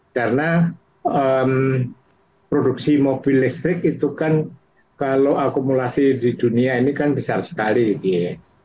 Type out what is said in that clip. karena produksi mobil listrik itu kan kalau akumulasi di dunia ini kan besar sekali gitu ya